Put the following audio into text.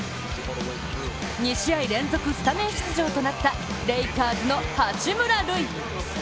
２試合連続スタメン出場となったレイカーズ・八村塁。